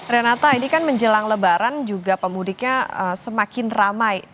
renata ini kan menjelang lebaran juga pemudiknya semakin ramai